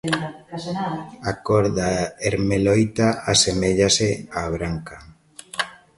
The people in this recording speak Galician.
A cor da ermeloíta aseméllase á branca.